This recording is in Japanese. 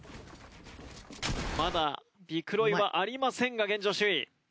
まだビクロイはありませんが現状首位。